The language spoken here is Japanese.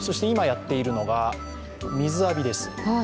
今やっているのが、水浴びです。